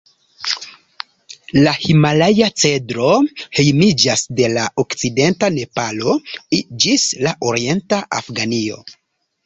La himalaja-cedro hejmiĝas de la okcidenta Nepalo ĝis la orienta Afganio.